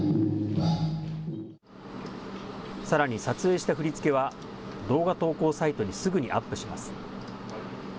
さらに撮影した振り付けは、動画投稿サイトにすぐにアップします。